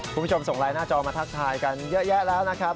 คุณผู้ชมส่งไลน์หน้าจอมาทักทายกันเยอะแยะแล้วนะครับ